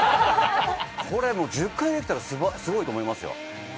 これ１０回できたらすごいと思いますよ。